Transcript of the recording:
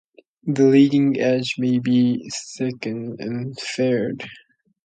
The leading edge may be thickened and faired.